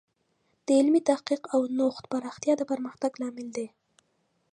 د علمي تحقیق او نوښت پراختیا د پرمختګ لامل دی.